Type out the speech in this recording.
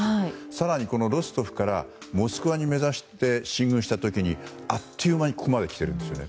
更にロストフからモスクワに目指して進軍した時に、あっという間にここまで来ているんですよね。